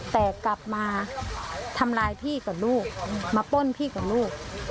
แต่กลับมาทำร้ายพี่กับลูกมาป้นพี่กับลูก